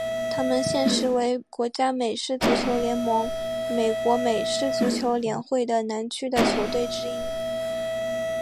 他们现时为国家美式足球联盟美国美式足球联会的南区的球队之一。